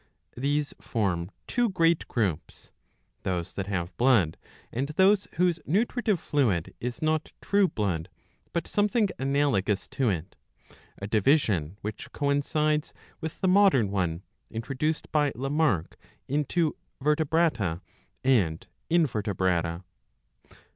These form two ^eat groups, those that haVjel blood, and those whose nutritive fluid iS'not true blood but something '^ analogous to it ; a division which coincides with the modern one, introduced by Lamarck, into Vertebrata and Inver tebrata.